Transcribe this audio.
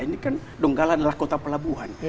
ini kan donggala adalah kota pelabuhan